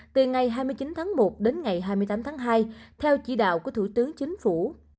từ ngày hai mươi chín tháng một đến ngày hai mươi tám tháng hai theo chỉ đạo của thủ tướng chính phủ